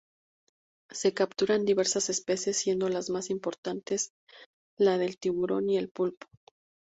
Se capturan diversas especies siendo las más importantes la del tiburón y el pulpo.